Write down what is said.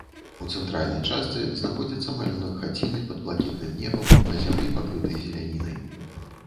У цэнтральнай частцы знаходзіцца малюнак хаціны пад блакітным небам на зямлі, пакрытай зелянінай.